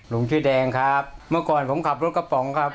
ลุงชื่อแดงครับเมื่อก่อนผมขับรถกระป๋องครับ